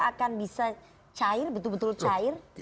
akan bisa cair betul betul cair